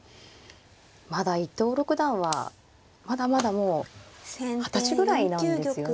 まだ伊藤六段はまだまだもう二十歳ぐらいなんですよね。